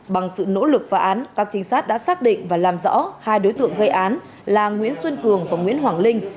bằng sự nỗ lực phá án các trinh sát đã xác định và làm rõ hai đối tượng gây án là nguyễn xuân cường và nguyễn hoàng linh